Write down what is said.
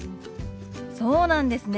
そうなんですね。